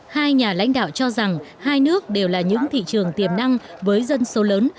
hai nhà lãnh đạo cho rằng hai nước đều là những thị trường tiềm năng với dân số lớn